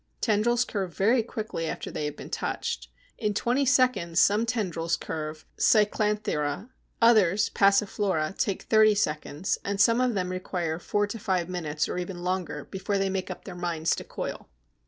Tendrils curve very quickly after they have been touched. In twenty seconds some tendrils curve (Cyclanthera), others (Passiflora) take thirty seconds, and some of them require four to five minutes or even longer before they make up their minds to coil.